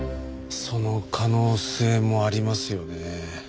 その可能性もありますよね。